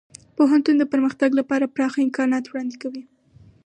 پوهنتون د پرمختګ لپاره پراخه امکانات وړاندې کوي.